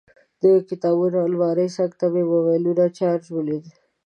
د کتابونو المارۍ څنګ ته مې موبایل چارجر ولید.